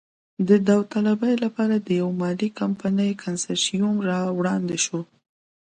د داوطلبۍ لپاره د یوې مالي کمپنۍ کنسرشیوم را وړاندې شو.